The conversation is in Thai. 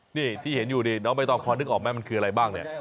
นี่ที่เห็นอยู่นี่น้องใบตองพอนึกออกไหมมันคืออะไรบ้างเนี่ย